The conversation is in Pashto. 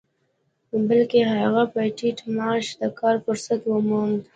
بلکې هغه په ټيټ معاش د کار فرصت وموند.